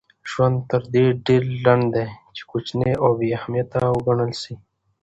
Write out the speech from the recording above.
ژوند تر دې ډېر لنډ دئ، چي کوچني او بې اهمیت وګڼل سئ.